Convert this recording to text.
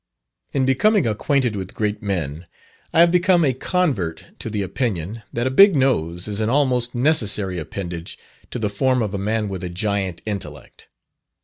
In becoming acquainted with great men, I have become a convert to the opinion, that a big nose is an almost necessary appendage to the form of a man with a giant intellect.